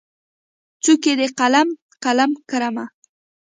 څوکې د قلم، قلم کرمه